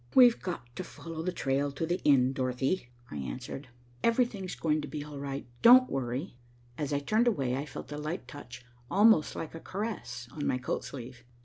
"We've got to follow the trail to the end, Dorothy," I answered. "Everything's going to be all right, don't worry." As I turned away, I felt a light touch, almost like a caress, on my coat sleeve.